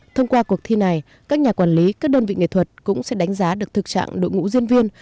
thông qua cuộc thi này các nhà quản lý các đơn vị nghệ thuật cũng sẽ đánh giá được thực trạng đội ngũ diễn viên